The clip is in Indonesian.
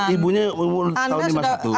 ibunya umurnya tahun lima puluh satu